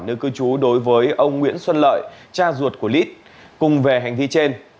nơi cư trú đối với ông nguyễn xuân lợi cha ruột của lít cùng về hành vi trên